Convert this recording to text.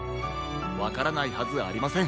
わからないはずありません。